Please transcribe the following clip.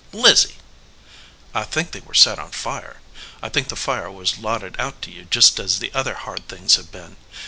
"Lizzie!" "I think they were set on fire. I think the fire was lotted out to you just as other hard things have been.